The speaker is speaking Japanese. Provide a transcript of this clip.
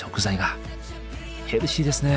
ヘルシーですね。